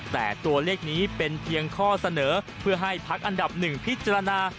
แต่ตัวเลขนี้เป็นเพียงข้อเสนอเพื่อให้พักอันดับหนึ่งพิจารณา